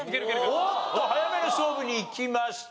おっと早めの勝負にいきました。